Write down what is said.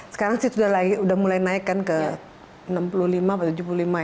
sekarang sih sudah mulai naikkan ke enam puluh lima atau tujuh puluh lima